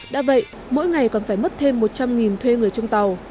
đã vậy mỗi ngày còn phải mất thêm một trăm linh thuê người trong tàu